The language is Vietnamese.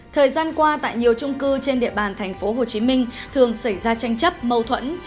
thời gian qua tại nhiều trung cư trên địa bàn tp hcm thường xảy ra tranh chấp mâu thuẫn